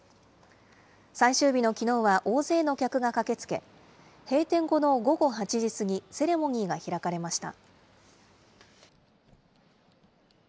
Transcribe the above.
最終日のきのうは大勢の客が駆けつけ、閉店後の午後８時過ぎ、セレモニーが開かれました。